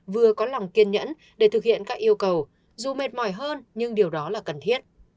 vừa có lòng kiên nhẫn để thực hiện các yêu cầu dù mệt mỏi hơn nhưng điều đó là cần thiết